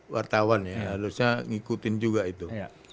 wartawan ya harusnya ngikutin juga itu